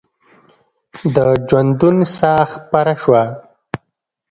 د ژوندون ساه خپره شوه